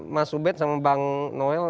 mas ubed sama bang noel